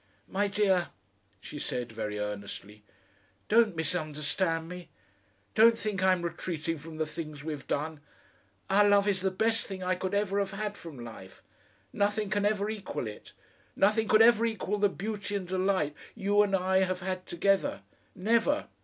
"My dear," she said very earnestly, "don't misunderstand me! Don't think I'm retreating from the things we've done! Our love is the best thing I could ever have had from life. Nothing can ever equal it; nothing could ever equal the beauty and delight you and I have had together. Never!